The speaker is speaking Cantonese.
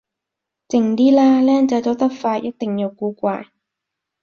靜啲啦，僆仔走得快一定有古怪